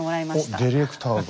おっディレクターが。